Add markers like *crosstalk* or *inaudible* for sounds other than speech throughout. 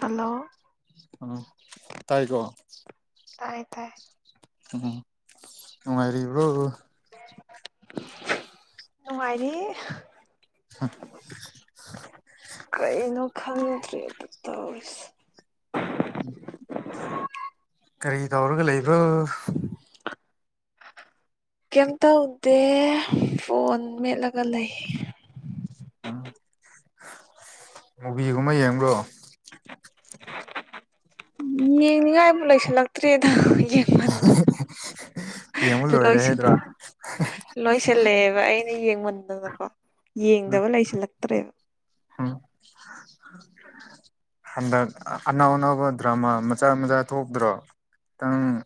Hello ꯎꯝ ꯇꯥꯏ ꯀꯣ ꯇꯥꯏꯌꯦ ꯇꯥꯏꯌꯦ ꯎꯝ ꯅꯨꯡꯉꯥꯏꯔꯤꯕ꯭ꯔꯣ ꯅꯨꯡꯉꯥꯏꯔꯤ ꯀꯔꯤꯅꯣ ꯈꯪꯗ꯭ꯔꯦꯗ ꯇꯧꯔꯤ ꯎꯝ ꯀꯔꯤ ꯇꯧꯔꯒ ꯂꯩꯕ꯭ꯔꯣ ꯀꯦꯝ ꯇꯧꯗꯦ ꯐꯣꯟ ꯃꯦꯠꯂꯒ ꯂꯩ ꯑꯥ ꯃꯨꯕꯤꯒꯨꯝꯕ ꯌꯦꯡꯕ꯭ꯔꯣ ꯌꯦꯡꯅꯤꯡꯉꯥꯏꯕꯨ ꯂꯩꯁꯜꯂꯛꯇ꯭ꯔꯦꯗ ꯌꯦꯡ ꯃꯟꯗꯅ ꯌꯦꯡꯕ ꯗꯨ ꯂꯣꯏꯔꯦ ꯍꯥꯏꯗ꯭ꯔꯥ ꯂꯣꯢꯁꯜꯂꯦ ꯂꯣꯏꯁꯤꯜꯂꯦꯕ ꯑꯩ ꯑꯩ ꯌꯦꯡꯃꯟꯗꯅꯀꯣ ꯌꯦꯡꯗꯕ ꯂꯩꯁꯤꯜꯂꯛꯇ꯭ꯔꯦ ꯍꯨꯝ ꯍꯟꯗꯛ ꯑꯅꯧ ꯑꯅꯧꯕ ꯗ꯭ꯔꯥꯃ ꯃꯆꯥ ꯃꯆꯥ ꯊꯣꯛꯇ꯭ꯔꯣ ꯇꯪ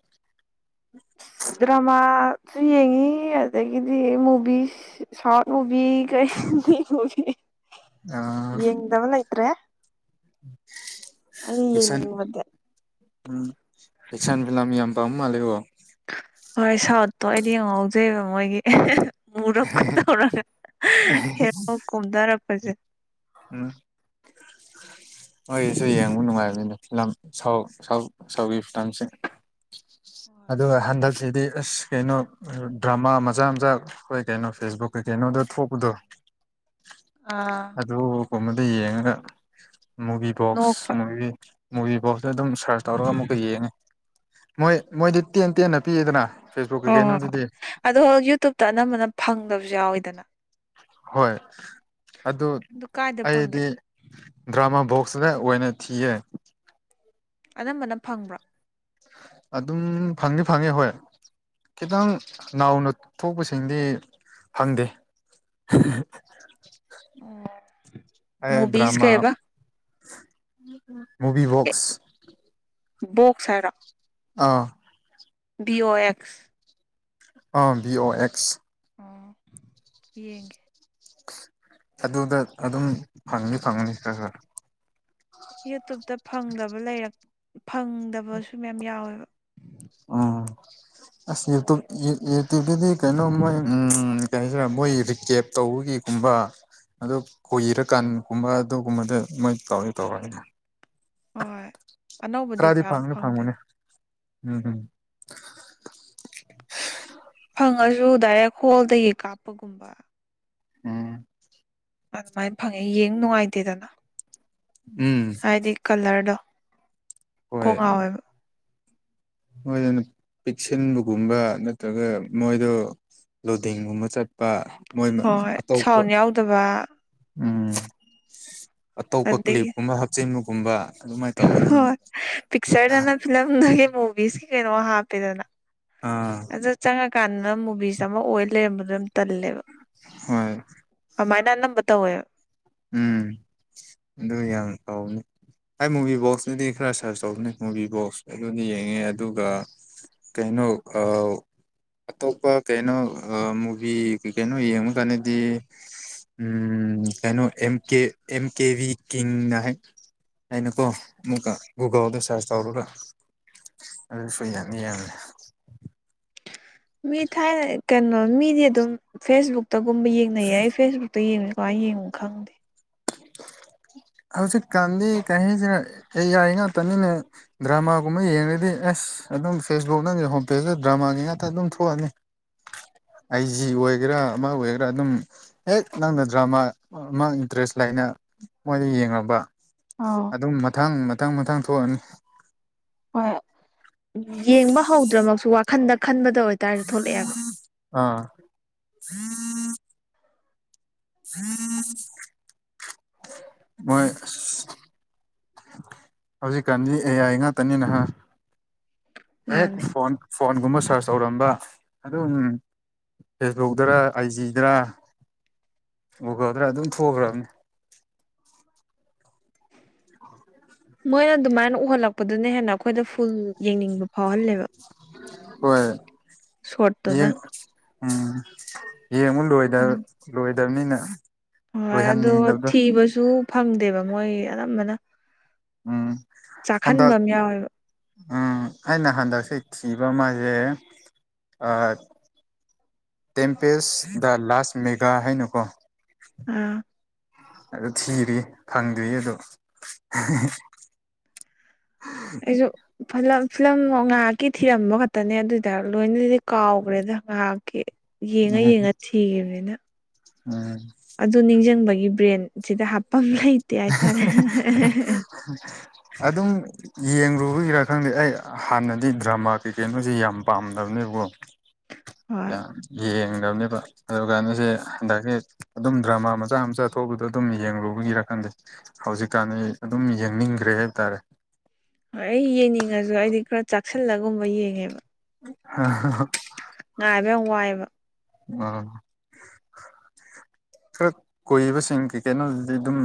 ꯗ꯭ꯔꯥꯃꯁꯨ ꯌꯦꯡꯉꯤ ꯑꯗꯒꯤꯗꯤ ꯃꯨꯚꯤꯁ ꯁꯥꯎꯠ ꯃꯨꯚꯤ ꯀꯩ ꯍꯤꯟꯗꯤ ꯃꯨꯚꯤ ꯌꯦꯡꯗꯕ ꯂꯩꯇ꯭ꯔꯦ ꯑꯩꯅ ꯑꯦꯛꯁꯟ ꯌꯦꯡꯅꯤꯡꯕꯗꯤ ꯎꯝ ꯑꯦꯛꯁꯟ ꯐꯤꯂꯝ ꯌꯥꯝ ꯄꯥꯝ ꯃꯥꯂꯦꯀꯣ ꯍꯣꯏ ꯁꯥꯎꯠꯇꯣ ꯑꯩꯗꯤ ꯌꯥꯝ ꯉꯥꯎꯖꯩꯕ ꯃꯣꯏꯒꯤ *unintelligible* ꯃꯨꯔꯞꯀ ꯇꯧꯔꯒ ꯍꯦꯔꯣ ꯀꯨꯝꯗꯔꯛꯄꯁꯦ ꯎꯝ ꯃꯣꯏꯒꯤꯁꯨ ꯌꯦꯡꯕ ꯅꯨꯡꯉꯥꯏꯕꯅꯤꯅ ꯐꯤꯂꯝ ꯁꯥꯎ ꯁꯥꯎ ꯁꯥꯎꯠꯒꯤ ꯐꯤꯂꯝꯁꯦ ꯑꯗꯨꯒ ꯍꯟꯗꯛ ꯁꯤꯗꯤ ꯑꯁ ꯀꯩꯅꯣ ꯗ꯭ꯔꯃꯥ ꯃꯆꯥ ꯃꯆꯥ ꯑꯩꯈꯣꯏ ꯀꯩꯅꯣ ꯐꯦꯁꯕꯨꯛ ꯀꯩꯀꯩꯅꯣꯗ ꯊꯣꯛꯄꯗꯨ ꯑꯥ ꯑꯗꯨꯒꯨꯝꯕꯗ ꯌꯦꯡꯉꯒ ꯃꯨꯚꯤ ꯕꯣꯛꯁ ꯅꯣꯛꯄ ꯃꯨꯚꯤ ꯃꯨꯚꯤ ꯕꯣꯛꯁꯇ ꯑꯗꯨꯝ ꯁꯔꯁ ꯇꯧꯔꯒ ꯑꯃꯨꯛꯀ ꯌꯦꯡꯉꯦ ꯃꯣꯏ ꯃꯣꯏꯗꯤ ꯇꯦꯟ ꯇꯦꯟꯅ ꯄꯤꯌꯦꯗꯅ ꯐꯦꯁꯕꯨꯛꯀꯤ ꯍꯣꯏ ꯍꯣꯏ ꯍꯣꯏ ꯀꯩꯅꯣꯗꯨꯗꯤ ꯑꯗꯣ ꯌꯨꯇꯨꯨꯞꯇ ꯑꯅꯝꯕꯅ ꯐꯪꯗꯕꯁꯨ ꯌꯥꯎꯋꯤꯗꯅ ꯍꯣꯏ ꯑꯗꯨ ꯀꯥꯏꯗ ꯐꯪꯒꯦ ꯑꯩꯗꯤ ꯗ꯭ꯔꯥꯃ ꯕꯣꯛꯁꯇ ꯑꯣꯏꯅ ꯊꯤꯌꯦ ꯑꯅꯝꯕꯅ ꯐꯪꯕ꯭ꯔꯣ ꯑꯗꯨꯝ ꯐꯪꯗꯤ ꯐꯪꯉꯦ ꯍꯣꯏ ꯈꯤꯇꯪ ꯅꯥꯎꯅ ꯊꯣꯛꯄꯁꯤꯡꯗꯤ ꯐꯪꯗꯦ *unintelligible* ꯑꯦ ꯃꯨꯚꯤꯁ ꯗ꯭ꯔꯥꯃ ꯀꯩꯕ ꯃꯨꯚꯤ ꯕꯣꯛꯁ ꯕꯣꯛꯁ ꯍꯥꯏꯔꯣ ꯑꯥꯎ ꯕꯤ ꯑꯣ ꯑꯦꯛꯁ ꯑꯥ ꯕꯤ ꯑꯣ ꯑꯦꯛꯁ ꯑꯣ ꯌꯦꯡꯒꯦ ꯑꯗꯨꯗ ꯑꯗꯨꯝ ꯐꯪꯅꯤ ꯐꯪꯒꯅꯤ ꯈꯔ ꯈꯔ ꯌꯨꯇꯨꯞꯇ ꯐꯪꯗꯕ ꯂꯩꯔꯛ ꯐꯪꯗꯕꯁꯨ ꯃꯌꯥꯝ ꯌꯥꯎꯋꯦꯕ ꯎꯝ ꯑꯁ ꯌꯨꯇꯨꯞ ꯌꯨꯇꯨꯞꯇꯗꯤ ꯀꯩꯅꯣ ꯃꯣꯏ ꯎꯝ ꯀꯩ ꯍꯥꯏꯁꯤꯔꯥ ꯃꯣꯏ ꯔꯤꯀꯦꯞ ꯇꯧꯕꯒꯤ ꯨꯒꯨꯝꯕ ꯑꯗꯨ ꯀꯨꯏꯔꯀꯥꯟꯒꯨꯝꯕ ꯑꯗꯨꯒꯨꯝꯕꯗ ꯃꯣꯏ ꯇꯧꯅꯤ ꯇꯧꯔꯣꯢ ꯍꯣꯏ ꯑꯅꯧꯕꯗꯤ ꯈꯔꯗꯤ ꯄꯥꯛ ꯐꯪꯗꯤ ꯐꯪꯗꯦ ꯐꯪꯕꯅꯦ ꯎꯝ ꯍꯝ ꯐꯪꯉꯁꯨ ꯗꯥꯏꯔꯦꯛ ꯍꯣꯜꯗꯒꯤ ꯀꯥꯞꯄꯒꯨꯝꯕ ꯎꯝ ꯑꯗꯨꯃꯥꯏ ꯐꯪꯉꯦ ꯌꯦꯡ ꯅꯨꯡꯉꯥꯏꯇꯦꯗꯅ ꯎꯝ ꯍꯥꯏꯗꯤ ꯀꯂꯔꯗꯣ ꯍꯣꯏ ꯀꯣꯡꯉꯥꯎꯋꯦꯕ ꯃꯣꯏꯗꯅ ꯄꯤꯛꯁꯤꯟꯕꯒꯨꯝꯕ ꯅꯠꯇ꯭ꯔꯒ ꯃꯣꯏꯗꯣ ꯂꯨꯗꯦꯡꯒꯨꯝꯕ ꯆꯠꯄ ꯃꯣꯏ ꯍꯣꯏ ꯑꯇꯣꯞꯄ ꯁꯥꯎꯟ ꯌꯥꯎꯗꯕ ꯎꯝ ꯑꯇꯣꯞꯄ ꯑꯗꯒꯤ ꯀ꯭ꯂꯤꯞꯀꯨꯝꯕ ꯍꯥꯞꯆꯤꯟꯕꯒꯨꯝꯕ ꯑꯗꯨꯃꯥꯏ ꯇꯧꯋꯦꯗ ꯃꫭꯏ ꯐꯤꯂꯝꯗꯨꯒꯤ ꯃꯨꯚꯤꯁꯀꯤ ꯀꯩꯅꯣ ꯍꯥꯞꯄꯦꯗꯅ ꯑꯥ ꯑꯗꯨ ꯆꯪꯉꯀꯥꯟꯗ ꯃꯨꯚꯤꯁ ꯑꯃ ꯑꯣꯏ ꯂꯩꯔꯝꯕꯗꯣ ꯌꯥꯝ ꯇꯜꯂꯦꯕ ꯍꯣꯏ ꯑꯃꯥꯏꯅ ꯑꯅꯝꯕ ꯇꯧꯋꯦ ꯎꯝ ꯑꯗꯨ ꯌꯥꯝ ꯇꯧꯕꯅꯤ ꯍꯥꯏ ꯃꯨꯚꯤ ꯕꯣꯛꯁꯇꯨꯗꯤ ꯈꯔ ꯁꯔꯁ ꯇꯧꯕꯅꯦ ꯃꯨꯚꯤꯕꯣꯛꯁ ꯑꯗꯨꯗꯤ ꯌꯦꯡꯉꯦ ꯑꯗꯨꯒ ꯀꯩꯅꯣ ꯑꯥ ꯑꯇꯣꯞꯄ ꯀꯩꯅꯣ ꯃꯨꯚꯤ ꯀꯩ ꯀꯩꯅꯣ ꯌꯦꯡꯕ ꯀꯥꯟꯗꯗꯤ ꯎꯝ ꯀꯩꯅꯣ ꯑꯦꯝ ꯀꯦ ꯑꯦꯝ ꯀꯦꯚꯤ ꯀꯤꯡ ꯅ ꯍꯥꯏ ꯍꯥꯏꯅꯀꯣ ꯑꯃꯨꯛꯀ ꯒꯨꯒꯜꯗ ꯁꯔꯁ ꯇꯧꯔꯒ ꯑꯗꯨ ꯁꯨ ꯌꯥꯗꯤ ꯌꯥꯕꯅꯦ ꯃꯤ ꯊꯥꯏꯅ ꯀꯩꯅꯣ ꯃꯤꯗꯤ ꯑꯗꯨꯝ ꯐꯦꯁꯕꯨꯛꯇꯒꯨꯝꯕ ꯌꯦꯡꯅꯩꯌꯦ ꯑꯩ ꯐꯦꯁꯕꯨꯛꯇ ꯇ ꯌꯦꯡ ꯀꯃꯥꯏ ꯌꯦꯡ ꯈꯪꯗꯦ ꯍꯧꯖꯤꯛꯀꯥꯟꯗꯤ ꯀꯔꯤꯖ ꯑꯩ ꯑꯥꯏ ꯉꯥꯛꯇꯅꯤꯅ ꯗ꯭ꯔꯃꯥꯒꯨꯝꯕ ꯌꯦꯡꯉꯗꯤ ꯑꯁ ꯑꯗꯨꯝ ꯐꯦꯁꯕꯨꯛ ꯅꯪꯒꯤ ꯍꯣꯝ ꯄꯦꯖꯇ ꯗ꯭ꯔꯃꯥꯒꯤ ꯉꯥꯛꯇ ꯑꯗꯨꯝ ꯊꯣꯛꯑꯅꯤ ꯑꯥꯏꯖꯤ ꯑꯣꯏꯒꯦꯔꯥ ꯑꯃ ꯑꯣꯏꯒꯦꯔꯥ ꯑꯗꯨꯝ ꯍꯦꯛ ꯅꯪꯅ ꯗ꯭ꯔꯃꯥ ꯃꯥ ꯏꯟꯇꯔꯦꯁ ꯂꯩꯅ ꯃꯣꯏꯅ ꯌꯦꯡꯉꯕ ꯑꯥꯎ ꯑꯗꯨꯝ ꯃꯊꯪ ꯃꯊꯪ ꯃꯊꯪ ꯊꯣꯛꯑꯅꯤ ꯍꯣꯏ ꯌꯦꯡꯕ ꯍꯧꯗ꯭ꯔꯃꯛꯁꯨ ꯋꯥꯈꯟꯗ ꯈꯟꯕꯗ ꯑꯣꯏꯇꯥꯔꯁꯨ ꯊꯣꯛꯂꯛꯑꯦꯕ ꯑꯥ ꯃꯣꯏ ꯑꯁ ꯍꯧꯖꯤꯛꯀꯥꯟꯗꯤ ꯑꯦꯑꯥꯏ ꯉꯥꯛꯇꯅꯤ ꯅꯍ ꯍꯦꯛ ꯃꯥꯅꯦ ꯐꯣꯟ ꯐꯣꯟꯒꯨꯝꯕ ꯁꯔꯁ ꯇꯧꯔꯝꯕ ꯑꯗꯨꯝ ꯐꯦꯁꯕꯨꯛꯇꯔ ꯑꯥꯏꯖꯤꯗꯔ ꯒꯨꯒꯜꯗ ꯑꯗꯨꯝ ꯊꯣꯛꯈ꯭ꯔꯕꯅꯤ ꯃꯣꯏꯅ ꯑꯗꯨꯃꯥꯏꯅ ꯎꯍꯜꯂꯛꯄꯗꯨꯅ ꯍꯦꯟꯅ ꯑꯩꯈꯣꯏꯗ ꯐꯨꯜ ꯌꯦꯡꯅꯤꯡꯕ ꯐꯥꯎꯍꯜꯂꯦꯕ ꯍꯣꯏ ꯁꯣꯔꯠꯇꯨꯅ ꯌꯦꯡ ꯎꯝ ꯌꯦꯡꯕ ꯂꫭꯏ ꯂꯣꯏꯗꯕꯅꯤꯅ ꯍꯣꯏ ꯑꯗꯣ ꯂꯣꯏꯍꯟꯅꯤꯡꯗꯕꯗꯣ ꯊꯤꯕꯁꯨ ꯐꯪꯗꯦꯕ ꯃꯣꯏ ꯑꯅꯝꯕꯅ ꯎꯝ ꯆꯥꯛꯍꯟꯕ ꯍꯟꯗꯛ ꯑꯃ ꯌꯥꯎꯋꯦꯕ ꯑꯩꯅ ꯍꯟꯗꯛꯁꯦ ꯊꯤꯕ ꯃꯥꯖꯦ ꯑꯥ ꯇꯦꯝꯄꯦꯁ ꯗ ꯂꯥꯁ ꯃꯦꯒꯥ ꯍꯥꯏꯅꯀꯣ ꯑꯥ ꯑꯗꯨ ꯊꯤꯔꯤ ꯐꯪꯗꯔꯤꯌꯦ ꯑꯗꯨ ꯑꯩꯁꯨ ꯐꯂꯝ ꯐꯤꯂꯝ ꯉꯥꯏꯍꯥꯛꯀꯤ ꯊꯤꯔꯝꯕ ꯈꯛꯇꯅꯦ ꯑꯗꯨꯏꯇꯥꯔ ꯂꯣꯏꯅꯗꯤ ꯀꯥꯎꯈ꯭ꯔꯦꯗ ꯉꯥꯏꯍꯥꯛꯀꯤ ꯌꯦꯡꯉ ꯎꯝ ꯌꯦꯡꯉ ꯊꯤꯈꯤꯕꯅꯤꯅ ꯎꯝ ꯑꯗꯨ ꯅꯤꯡꯁꯤꯡꯕꯒꯤ ꯕ꯭ꯔꯦꯟꯁꯤꯗ ꯍꯥꯞꯄꯝ ꯑꯗꯨꯝ ꯌꯦꯡꯨꯕꯒꯤꯔꯥ ꯈꯪꯗꯦ ꯑꯩ ꯍꯥꯟꯅꯗꯤ ꯗ꯭ꯔꯃꯥ ꯀꯩ ꯀꯩꯅꯣꯁꯤ ꯌꯥꯝ ꯄꯥꯝꯗꯕꯅꯦꯕꯀꯣ ꯍꯣꯏ ꯌꯥꯝ ꯌꯦꯡꯗꯕꯅꯦꯕ ꯑꯗꯨꯒ ꯀꯩꯅꯣꯁꯦ ꯍꯟꯗꯛꯁꯦ ꯑꯗꯨꯝ ꯗ꯭ꯔꯃꯥ ꯃꯆꯥ ꯃꯆꯥ ꯊꯣꯛꯄꯗꯣ ꯑꯗꯨꯝ ꯌꯦꯡꯂꯨꯕꯒꯤꯔ ꯈꯪꯗꯦ ꯍꯧꯖꯤꯛꯀꯥꯟꯗꯤ ꯑꯗꯨꯝ ꯌꯦꯡꯅꯤꯡꯒ꯭ꯔꯦ ꯍꯥꯏꯕꯇꯥꯔꯦ ꯍꯣꯏ ꯑꯩ ꯌꯦꯡꯅꯤꯡꯉꯁꯨ ꯑꯩꯗꯤ ꯈꯔ ꯆꯥꯛꯁꯤꯜꯂꯒꯨꯝꯕ ꯌꯦꯡꯉꯦꯕ ꯉꯥꯏꯕ ꯌꯥꯝ ꯋꯥꯏꯑꯦꯕ ꯑꯣ ꯈꯔ ꯀꯨꯏꯕꯁꯤꯡ ꯀꯩ ꯀꯩꯅꯣꯗꯨꯗꯤ ꯑꯗꯨꯝ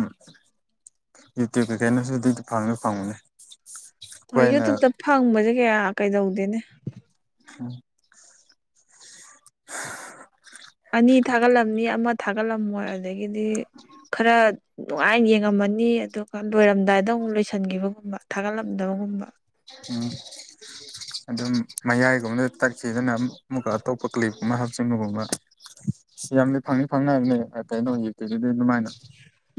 ꯌꯨꯇ꯭ꯌꯨꯕ ꯀꯩꯀꯩꯅꯣꯁꯤꯗꯗꯤ ꯑꯗꯨꯝ ꯐꯪꯗꯤ ꯐꯪꯕꯅꯤ ꯍꯣꯏ ꯌꯨꯇꯨꯕꯇ ꯐꯪꯕꯁꯦ ꯀꯌꯥ ꯀꯩꯗꯧꯗꯦꯅꯦ *unintelligible* ꯑꯅꯤ ꯊꯥꯒꯠꯂꯝꯅꯤ ꯑꯃ ꯊꯥꯒꯠꯂꯝꯃꯣꯏ ꯑꯗꯒꯤꯗꯤ ꯈꯔ ꯅꯨꯡꯉꯥꯏꯅ ꯌꯦꯡꯉꯝꯃꯅꯤ ꯑꯗꯨꯒ ꯂꯣꯏꯔꯝꯗꯥꯏꯗ ꯑꯃꯨꯛ ꯂꯣꯏꯁꯤꯟꯈꯤꯕꯒꯨꯝꯕ ꯊꯥꯒꯠꯂꯝꯗꯕꯒꯨꯝꯕ ꯎꯝ ꯑꯗꯨꯝ ꯃꯌꯥꯏꯒꯨꯝꯕꯗ ꯇꯠꯈꯤꯗꯅ ꯑꯃꯨꯛꯀ ꯑꯇꯣꯞꯄ ꯀ꯭ꯂꯤꯞꯀꯨꯝꯕ ꯍꯥꯞꯆꯤꯟꯕꯒꯨꯝꯕ ꯌꯥꯝꯗꯤ ꯐꯪꯗꯤ ꯐꯪꯅꯕꯅꯦ ꯀꯩꯅꯣ ꯌꯨꯇꯨꯕꯒꯤꯗꯤ ꯑꯗꯨꯃꯥꯏꯅ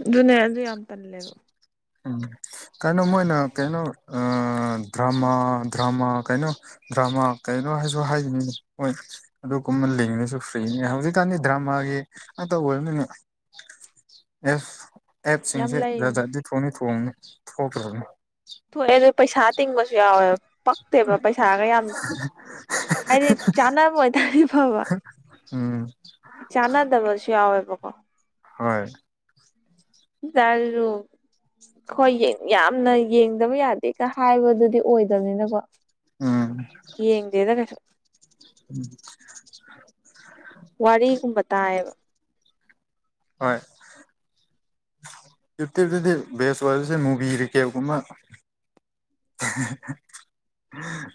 ꯑꯗꯨꯅꯦ ꯑꯗꯨ ꯌꯥꯝ ꯇꯜꯂꯦꯕ ꯎꯝ ꯀꯩꯅꯣ ꯃꯣꯏꯅ ꯀꯩꯅꯣ ꯑ ꯗ꯭ꯔꯃꯥ ꯗ꯭ꯔꯃꯥ ꯀꯩꯅꯣ ꯗ꯭ꯔꯃꯥ ꯀꯩꯅꯣ ꯍꯥꯏꯁꯨ ꯍꯥꯏꯕꯅꯤꯅꯦ ꯍꯣꯏ ꯑꯗꯨꯒꯨꯝꯕ ꯂꯤꯡꯉꯁꯨ ꯐ꯭ꯔꯤꯅꯦ ꯍꯧꯖꯤꯛꯀꯥꯟꯗꯤ ꯗ꯭ꯔꯃꯥꯒꯤ ꯉꯥꯛꯇ ꯑꯣꯏꯔꯃꯤꯅꯦ ꯑꯦꯞ ꯌꯥꯝ ꯑꯦꯞꯁꯤꯡꯁꯦ ꯖꯥꯠ ꯂꯩꯕꯅꯦ ꯖꯥꯠꯗꯤ ꯊꯣꯡꯗꯤ *unintelligible* ꯊꯣꯛꯑꯦ ꯑꯗꯨ ꯄꯩꯁꯥ ꯇꯤꯡꯕꯁꯨ ꯌꯥꯎꯋꯦꯕ ꯄꯛꯇꯦꯕ ꯄꯩꯁꯥꯒ ꯌꯥꯝ ꯍꯥꯏꯗꯤ ꯆꯥꯅꯕ ꯑꯣꯏꯇꯥꯔꯗꯤ ꯐꯕ ꯎꯝ ꯆꯥꯅꯗꯕ ꯁꯨ ꯌꯥꯎꯋꯦꯕꯀꯣ ꯍꯣꯏ *unintelligible* ꯍꯣꯏ ꯌꯥꯝꯅ ꯌꯦꯡꯗꯕ ꯌꯥꯗꯦꯒ ꯍꯥꯏꯕꯗꯨꯗꯤ ꯑꯣꯏꯗꯕꯅꯤꯅꯀꯣ ꯎꯝ ꯌꯦꯡꯗꯦꯗ ꯀꯩꯁꯨ ꯋꯥꯔꯤꯒꯨꯝꯕ ꯇꯥꯏꯌꯦꯕ ꯍꯣꯏ *unintelligible* ꯕꯦꯁ ꯑꯣꯏꯕꯁꯦ ꯃꯨꯚꯤ ꯔꯤꯀꯦꯞꯒꯨꯝꯕ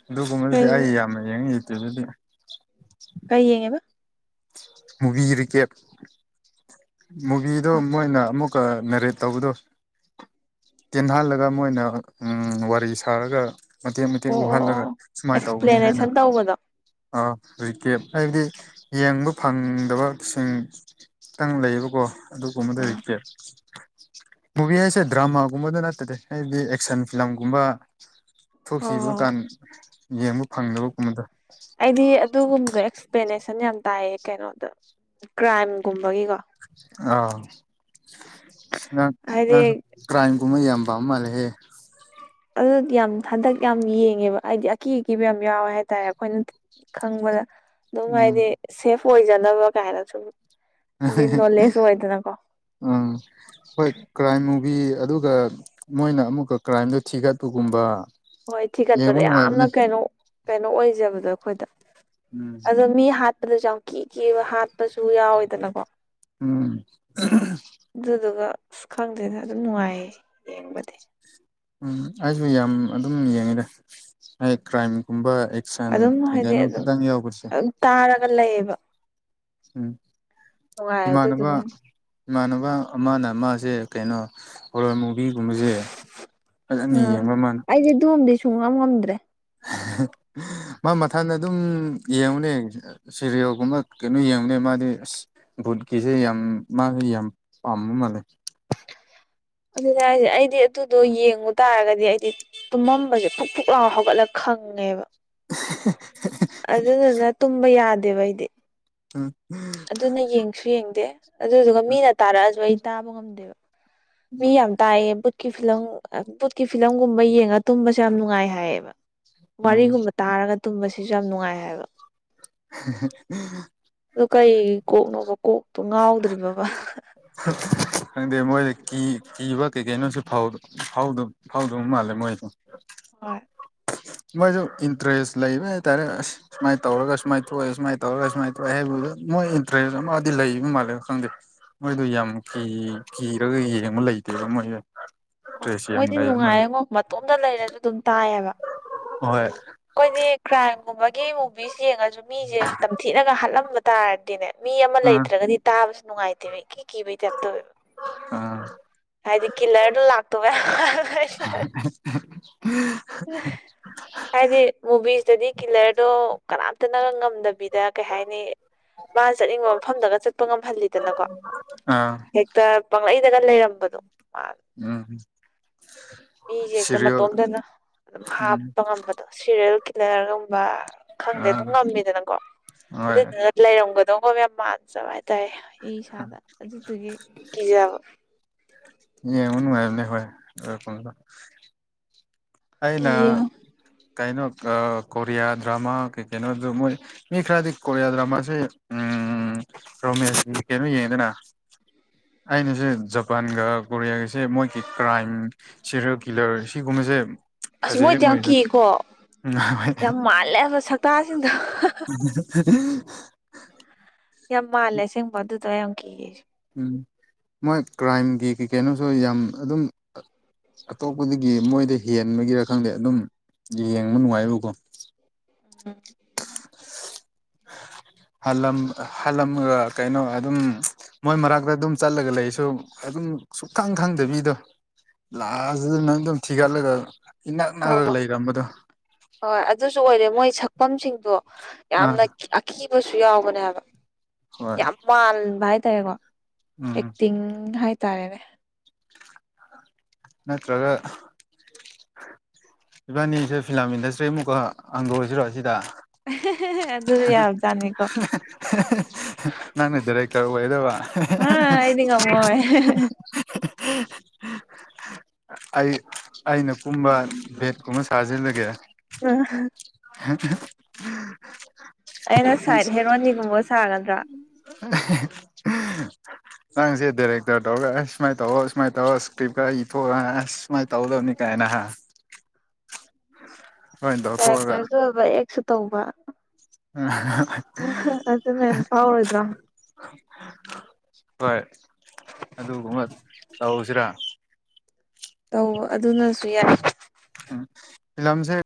ꯑꯗꯨꯒꯨꯝꯕꯗꯨꯗꯤ ꯑꯩ ꯐꯦꯁꯕꯨꯛ ꯌꯥꯝꯅ ꯌꯦꯡꯉꯦ ꯌꯨꯇꯨꯕꯇꯗꯤ ꯀꯩ ꯌꯦꯡꯉꯦꯕ ꯃꯨꯕꯤ ꯔꯤꯀꯦꯞ ꯃꯨꯚꯤꯗꯣ ꯃꯣꯏꯅ ꯑꯃꯨꯛꯀ ꯅꯦꯔꯦꯠ ꯇꯧꯕꯗꯣ ꯇꯦꯟꯍꯥꯜꯂꯒ ꯃꯣꯏꯅ ꯎꯝ ꯋꯥꯔꯤ ꯁꯥꯔꯒ ꯃꯇꯦꯛ ꯃꯇꯦꯛ ꯑꯣ ꯑꯣ ꯎꯍꯜꯂꯒ ꯑꯣ ꯁꯨꯃꯥꯏꯅ ꯇꯧꯕꯅꯦ ꯍꯥꯏꯅ ꯑꯦꯛꯁꯄ꯭ꯂꯦꯅꯦꯁꯟ ꯇꯧꯕꯗꯣ ꯑ ꯔꯤꯀꯦꯞ ꯍꯥꯏꯕꯗꯤ ꯌꯦꯡꯕ ꯐꯪꯗꯕꯁꯤꯡ ꯈꯤꯇꯪ ꯂꯩꯌꯦꯕꯀꯣ ꯑꯗꯨꯒꯨꯝꯕꯗꯨ ꯑꯥ ꯔꯤꯀꯦꯞ ꯃꯨꯚꯤ ꯍꯥꯏꯁꯦ ꯗ꯭ꯔꯃꯥꯒꯨꯝꯕꯗ ꯅꯠꯇꯦꯗ ꯍꯥꯏꯗꯤ ꯑꯦꯛꯁꯟ ꯐꯤꯂꯝꯒꯨꯝꯕ ꯍꯣꯏ ꯍꯣꯏ ꯊꯣꯛꯈꯤꯕ ꯍꯣꯏ ꯀꯥꯟ ꯌꯦꯡꯕ ꯐꯪꯗꯕꯀꯨꯝꯕꯗꯣ ꯑꯩꯗꯤ ꯑꯗꯨꯒꯨꯝꯕ ꯑꯦꯛꯁꯄ꯭ꯂꯦꯅꯦꯁꯟ ꯌꯥꯝ ꯇꯥꯏꯌꯦ ꯀꯩꯅꯣꯗ ꯀ꯭ꯔꯥꯏꯝꯒꯨꯝꯕꯒꯤꯀꯣ ꯑꯥ ꯅꯪ ꯍꯥꯏꯗꯤ ꯅꯪꯁꯨ ꯀ꯭ꯔꯥꯏꯝꯒꯨꯝꯕ ꯌꯥꯝ ꯄꯥꯝ ꯃꯥꯜꯂꯦꯍꯦ ꯑꯗꯨ ꯌꯥꯝ ꯍꯟꯗꯛ ꯌꯥꯝ ꯌꯦꯡꯉꯦꯕ ꯑꯥꯏꯗꯤ ꯑꯀꯤ ꯑꯀꯤꯕ ꯌꯥꯝ ꯌꯥꯎꯋꯦ ꯍꯥꯏꯇꯥꯔꯦ ꯑꯩꯈꯣꯏꯅ ꯈꯪꯕꯗ ꯗꯨꯝ ꯎꯝ ꯍꯥꯏꯗꯤ ꯁꯦꯐ ꯑꯣꯏꯖꯅꯕ ꯀꯥꯏꯅꯁꯨꯨꯝ ꯎꯝ ꯍꯣꯏ ꯀ꯭ꯔꯥꯏꯝ ꯃꯨꯚꯤ ꯑꯗꯨꯒ ꯃꯣꯏꯅ ꯑꯃꯨꯛꯀ ꯀ꯭ꯔꯥꯏꯝꯗꯨ ꯊꯤꯒꯠꯄꯒꯨꯝꯕ ꯍꯣꯏ ꯌꯦꯡꯕ ꯊꯤꯒꯠꯄꯗ ꯌꯥꯝꯅ ꯅꯨꯡꯉꯥꯏꯕꯅꯦ ꯀꯩꯅꯣ ꯀꯩꯅꯣ ꯑꯣꯏꯖꯕꯗꯣ ꯑꯈꯣꯏꯗ ꯎꯝ ꯑꯗꯣ ꯃꯤ ꯍꯥꯠꯄꯗꯁꯨ ꯌꯥꯝ ꯀꯤ ꯀꯤꯕ ꯍꯥꯠꯄꯁꯨ ꯌꯥꯎꯋꯦꯗꯅꯀꯣ ꯎꯝ ꯑꯗꯨꯗꯨꯒ ꯑꯁ ꯈꯪꯗꯦꯗ ꯑꯗꯨꯝ ꯅꯨꯡꯉꯥꯏꯌꯦ ꯌꯦꯡꯕꯗꯤ ꯎꯝ ꯑꯩꯖꯨ ꯌꯥꯝ ꯑꯗꯨꯝ ꯌꯦꯡꯉꯤꯗ ꯍꯥꯏ ꯀ꯭ꯔꯥꯏꯝꯒꯨꯝꯕ ꯑꯗꯨꯝ ꯁꯟꯒꯤ ꯍꯥꯏꯗꯤ ꯀꯩꯅꯣ ꯑꯗꯨꯝ ꯈꯤꯇꯪ ꯌꯥꯎꯕꯁꯦ ꯑꯗꯨꯝ ꯇꯥꯔꯒ ꯂꯩꯌꯦꯕ ꯎꯝ ꯅꯨꯡꯉꯥꯏ ꯏꯃꯅꯕ ꯑꯗꯨꯗꯨꯅ ꯍꯦꯟꯅ꯫ ꯏꯃꯥꯟꯅꯕ ꯑꯃꯅ ꯃꯥꯖꯦ ꯀꯩꯅꯣ ꯍꯣꯔꯔ ꯃꯨꯕꯤꯒꯨꯝꯕꯖꯦ ꯐꯖꯅ ꯌꯦꯡꯕ ꯃꯥꯅ ꯑꯦ ꯗꯣꯝꯗꯤ ꯁꯨꯡꯉꯝ ꯉꯝꯗ꯭ꯔꯦ ꯃꯥ ꯃꯊꯟꯗ ꯑꯗꯨꯝ ꯌꯦꯡꯉꯨꯅꯦ ꯁꯤꯔꯤꯌꯦꯜꯒꯨꯝꯕ ꯀꯩꯅꯣ ꯌꯦꯡꯕꯅꯦ ꯃꯥꯗꯤ ꯑ꯭ꯁ ꯚꯨꯠꯀꯤꯁꯦ ꯌꯥꯝ ꯃꯥꯁꯨ ꯌꯥꯝ ꯄꯥꯝꯕ ꯃꯥꯜꯂꯦ ꯑꯗꯨꯅꯦ ꯍꯥꯏꯁꯦ ꯑꯩꯗꯤ ꯑꯗꯨꯗꯣ ꯌꯦꯡꯉꯨ ꯇꯥꯔꯒꯗꯤ ꯑꯩꯗꯤ ꯇꯨꯝꯃꯝꯕꯁꯦ ꯐꯨꯛ-ꯐꯨꯛ ꯂꯥꯎ ꯍꯧꯒꯠꯂ ꯈꯪꯉꯦꯕ *unintelligible* ꯑꯗꯨꯗꯨꯅ ꯇꯨꯝꯕ ꯌꯥꯗꯦꯕ ꯑꯩꯗꯤ *unintelligible* ꯑꯗꯨꯅ ꯌꯦꯡꯁꯨ ꯌꯦꯡꯗꯦ ꯑꯗꯨꯗꯨꯒ ꯃꯤꯅ ꯇꯥꯔꯥꯑꯁꯨ ꯑꯩ ꯇꯥꯕ ꯉꯝꯗꯦꯕ ꯃꯤ ꯌꯥꯝ ꯇꯥꯏꯌꯦ ꯕꯨꯠꯀꯤ ꯐꯤꯂꯝ ꯕꯨꯠꯀꯤ ꯐꯤꯂꯝꯒꯨꯝꯕ ꯌꯦꯡꯉ ꯇꯨꯝꯕꯁꯦ ꯌꯥꯝ ꯅꯨꯡꯉꯥꯏ ꯍꯥꯏꯌꯦꯕ ꯎꯝ ꯋꯥꯔꯤꯒꯨꯝꯕ ꯇꯥꯔꯒ ꯇꯨꯝꯕꯁꯤꯁꯨ ꯌꯥꯝ ꯅꯨꯡꯉꯥꯏ ꯍꯥꯏꯕ *unintelligible* ꯑꯗꯨ ꯀꯩ ꯀꯣꯛꯅꯣꯕ ꯀꯣꯛꯇꯣ ꯉꯥꯎꯗ꯭ꯔꯤꯕꯕ ꯈꯪꯗꯦ ꯃꯣꯏ ꯀꯤ ꯀꯤꯕ ꯀꯩ ꯀꯩꯅꯣꯁꯨ ꯐꯥꯎ-ꯐꯥꯎꯗ ꯐꯥꯎꯗꯕ ꯃꯥꯜꯂꯦ ꯃꯣꯏꯗꯣ ꯍꯣꯏ ꯃꯣꯏꯁꯨ ꯏꯟꯇꯔꯦꯁ ꯂꯩꯕ ꯍꯥꯏꯇꯔꯦ ꯑꯁ ꯁꯨꯃꯥꯏꯅ ꯇꯧꯔꯒ ꯁꯨꯃꯥꯏꯅ ꯊꯣꯛꯑꯦ ꯁꯨꯃꯥꯏꯅ ꯇꯧꯔꯒ ꯁꯨꯃꯥꯏꯅ ꯊꯣꯛꯑꯦ ꯍꯥꯏꯕꯗꯨ ꯃꯣꯏ ꯏꯟꯇꯔꯦꯁ ꯑꯃꯗꯤ ꯂꯩ ꯑꯗꯨꯝ ꯃꯥꯜꯂꯦꯕ ꯈꯪꯗꯦ ꯃꯣꯏꯗ ꯌꯥꯝ ꯀꯤ ꯀꯤꯔꯒ ꯌꯦꯡꯕ ꯂꯩꯇꯦꯕ ꯃꯣꯏꯗꯣ ꯍꯣꯏ ꯇ꯭ꯔꯦꯁꯤꯌꯥꯝ ꯃꯣꯏꯗꯤ ꯂꯩ ꯃꯥꯜ ꯅꯨꯡꯉꯥꯏꯉꯣ ꯃꯇꯣꯝꯇ ꯂꯩꯔꯖꯨ ꯗꯨꯝ ꯇꯥꯏꯌꯦꯕ ꯍꯣꯏ ꯑꯩꯈꯣꯏꯗꯤ ꯀ꯭ꯔꯥꯏꯝꯒꯨꯝꯕꯒꯤ ꯃꯨꯚꯤꯁ ꯌꯦꯡꯉꯖꯨ ꯃꯤꯖꯦ ꯇꯝꯊꯤꯅꯒ ꯍꯥꯠꯂꯝꯕ ꯇꯥꯔꯗꯤꯅꯦ ꯃꯤ ꯑꯃ ꯑꯥ ꯂꯩꯇ꯭ꯔꯒꯗꯤ ꯇꯥꯕꯁꯨ ꯅꯨꯡꯉꯥꯏꯇꯦꯕ ꯀꯤ ꯀꯤꯕꯩ ꯇꯥꯏꯞ ꯇꯧꯋꯦꯕ ꯑꯥ ꯍꯥꯏꯗꯤ ꯀꯤꯂꯔꯗꯨ ꯂꯥꯛ *unintelligible* *unintelligible* ꯍꯥꯏꯗꯤ ꯃꯨꯕꯤꯁꯇꯗꯤ ꯀꯤꯂꯔꯗꯣ ꯀꯅꯥꯝꯇꯅ ꯉꯝꯗꯕꯤꯗ ꯀꯩ ꯍꯥꯏꯅꯤ ꯃꯥꯅ ꯆꯠꯅꯤꯡꯕ ꯃꯐꯝꯗꯒ ꯆꯠꯄ ꯉꯝꯍꯜꯂꯤꯗꯅꯀꯣ ꯑꯥ ꯍꯦꯛꯇ ꯄꯥꯡꯂꯩꯗꯒ ꯂꯩꯔꯝꯕꯗꯣ ꯃꯥ ꯎꯝ ꯃꯤꯁꯦ ꯍꯦꯛꯇ ꯁꯤꯔꯤꯌꯦꯜ ꯃꯇꯣꯝꯇꯅ ꯑꯗꯨꯝ ꯎꯝ ꯍꯥꯞꯄ ꯉꯝꯕꯗꯣ ꯁꯤꯔꯤꯌꯦꯜ ꯀꯤꯂꯔꯒꯨꯝꯕ ꯈꯪꯗꯦ ꯑꯗꯨꯝ ꯑꯥ ꯉꯝꯃꯤꯗꯅꯀꯣ ꯍꯣꯏ ꯑꯗꯨꯏꯗꯨꯅ ꯂꯩꯔꯝꯒꯗꯧꯕꯒ ꯌꯥꯝ ꯃꯥꯟꯗꯕ ꯍꯥꯏꯇꯥꯔꯦ ꯑꯩ ꯏꯁꯥꯗ ꯑꯗꯨꯗꯨꯒꯤ ꯀꯤꯖꯕ ꯌꯦꯟꯉꯨ ꯅꯨꯡꯉꯥꯏꯕꯅꯤ ꯍꯣꯏ *unintelligible* ꯑꯩꯅ ꯀꯤꯌꯦ ꯀꯩꯅꯣ ꯑ ꯀꯣꯔꯤꯌꯥ ꯗ꯭ꯔꯃꯥ ꯀꯩ ꯀꯩꯅꯣꯗꯨ ꯃꯣꯏ ꯃꯤ ꯈꯔꯗꯤ ꯀꯣꯔꯤꯌꯥ ꯗ꯭ꯔꯥꯃꯁꯤ ꯎꯝ ꯔꯣꯃꯦꯁꯀꯤ ꯀꯩꯅꯣ ꯌꯦꯡꯢꯗꯅ ꯑꯩꯅꯁꯦ ꯖꯄꯥꯟꯒ ꯀꯣꯔꯤꯌꯥꯒꯁꯦ ꯃꯣꯏꯒꯤ ꯀ꯭ꯔꯥꯏꯝ ꯁꯤꯔꯦꯜ ꯀꯤꯂꯔ ꯁꯤꯒꯨꯝꯕꯁꯦ ꯑꯁ ꯐꯖꯩꯌꯦ ꯃꯣꯏꯗꯤ ꯌꯥꯝ ꯃꯣꯏꯁꯦ ꯀꯤꯀꯣ ꯌꯥꯝ ꯃꯥꯜꯂꯦꯕ ꯁꯛꯇꯥꯁꯤꯡꯗꯣ *unintelligible* ꯌꯥꯝ ꯃꯥꯜꯂꯦ ꯑꯁꯦꯡꯕ ꯑꯗꯨꯗ ꯌꯥꯝ ꯀꯤ ꯎꯝ ꯃꯣꯏ ꯀ꯭ꯔꯥꯏꯝꯒꯤ ꯀꯩ ꯀꯩꯅꯣꯁꯨ ꯌꯥꯝ ꯑꯗꯨꯝ ꯑꯇꯣꯞꯄꯗꯒꯤ ꯃꯣꯏꯗ ꯍꯦꯟꯕꯒꯤꯔ ꯈꯪꯗꯦ ꯑꯗꯨꯝ ꯌꯦꯡꯕ ꯅꯨꯡꯉꯥꯏꯕꯀꯣ ꯎꯝ ꯍꯜꯂꯝ ꯍꯜꯂꯝꯒ ꯀꯩꯅꯣ ꯑꯗꯨꯝ ꯃꯣꯏ ꯃꯔꯛꯇ ꯑꯗꯨꯝ ꯆꯠꯂꯒ ꯂꯩꯁꯨ ꯑꯗꯨꯝ ꯁꯨꯛꯈꯪ ꯈꯪꯗꯕꯤꯗꯣ ꯂꯥꯛꯑꯒ ꯅꯪ ꯑꯗꯨꯝ ꯊꯤꯒꯠꯂꯒ ꯏꯅꯛ ꯍꯣꯏ ꯅꯛꯔꯒ ꯍꯣꯏ ꯂꯩꯔꯝꯕꯗꯣ ꯍꯣꯏ ꯑꯗꯨꯁꯨ ꯑꯣꯏꯔꯦ ꯃꯣꯏ ꯁꯛꯐꯝꯁꯤꯡꯗꯣ ꯑꯥ ꯌꯥꯝꯅ ꯀꯤꯑ ꯀꯤꯕꯁꯨ ꯌꯥꯎꯕꯅꯦ ꯍꯥꯢꯕ ꯍꯣꯏ ꯌꯥꯝ ꯃꯥꯟꯕ ꯍꯥꯏꯇꯥꯔꯦꯀꯣ ꯎꯝ ꯑꯦꯛꯇꯤꯡ ꯍꯥꯏꯇꯥꯔꯦꯅꯦ ꯅꯠꯇ꯭ꯔꯒ ꯏꯕꯥꯅꯤꯁꯦ ꯐꯤꯂꯝ ꯏꯟꯗꯁꯇ꯭ꯔꯤ ꯑꯃꯨꯛꯀ ꯍꯥꯡꯗꯣꯛꯁꯤꯔꯣ ꯁꯤꯗ ꯑꯗꯨꯁꯨ ꯍꯦ ꯍꯦ ꯌꯥꯕꯖꯥꯠꯅꯤꯀꯣ ꯍꯦ ꯍꯦ ꯍꯦ ꯅꯪꯅ ꯗꯤꯔꯦꯛꯇꯔ ꯇꯔ ꯑꯣꯢꯗꯕ ꯑ ꯑꯩꯗꯤ ꯉꯝꯃꯣꯏ ꯑꯩ ꯑꯩꯅ ꯀꯨꯝꯕ ꯚꯦꯠꯀꯨꯝꯕ ꯁꯥꯖꯤꯜꯂꯒꯦ ꯑ *unintelligible* ꯑꯩꯅ ꯁꯥꯏꯠ ꯍꯦꯔꯣꯅꯤꯒꯨꯝꯕ ꯁꯥꯒꯗ꯭ꯔꯥ *unintelligible* ꯅꯪꯁꯦ ꯗꯥꯏꯔꯦꯛꯇꯔ ꯇꯧꯔꯒꯁ ꯁꯨꯃꯥꯏꯅ ꯇꯧꯔꯣ ꯁꯨꯃꯥꯏꯅ ꯇꯧꯔꯣ ꯏꯁꯀ꯭ꯔꯤꯞꯀ ꯏꯊꯣꯛꯑ ꯑꯁ ꯃꯥꯥꯏ ꯇꯧꯗꯝꯅꯤ ꯀꯥꯏꯅ ꯍꯥ ꯂꯣꯏꯅ ꯇꯧꯊꯣꯛꯑꯒ ꯗꯥꯏꯔꯦꯛꯇꯔꯁꯨ ꯑꯣꯏꯕ ꯑꯦꯛꯁꯨ ꯇꯧꯕ ꯎꯝ ꯍ ꯍ ꯍ ꯑꯗꯨ ꯅꯦꯟ ꯐꯥꯎ ꯑꯣꯏꯗ꯭ꯔꯣ ꯍꯣꯏ ꯑꯗꯨꯒꯨꯝꯕ ꯇꯧꯁꯤꯔꯥ ꯇꯧ ꯑꯗꯨꯅꯁꯨ ꯌꯥꯏ ꯎꯝ ꯐꯤꯂꯝꯁꯦ